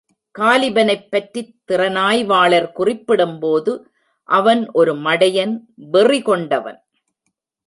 காலிபனைப் பற்றித் திறனாய்வாளர் குறிப்பிடும்போது, அவன் ஒரு மடையன் வெறி கொண்டவன்.